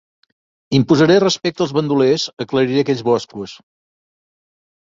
Imposaré respecte als bandolers, aclariré aquells boscos.